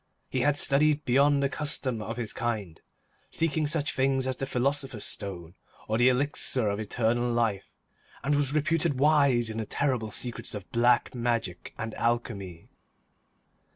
He had studied beyond the custom of his kind, seeking such things as the Philosopher's Stone, or the Elixir of Eternal Life, and was reputed wise in the terrible secrets of Black Magic and Alchemy.